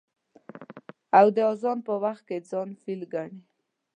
او د اذان په وخت کې ځان فيل گڼي.